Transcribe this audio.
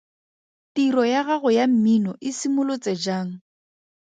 Tiro ya gago ya mmino e simolotse jang?